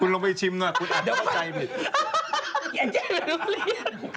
ลองไปชิมหน่อยคุณอาจจะเข้าใจผิด